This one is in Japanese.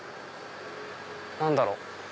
何だろう？